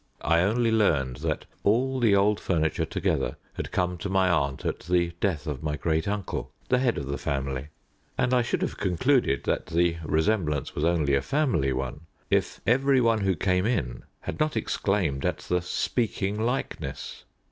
I only learned that all the old furniture together had come to my aunt at the death of my great uncle, the head of the family; and I should have concluded that the resemblance was only a family one, if every one who came in had not exclaimed at the "speaking likeness."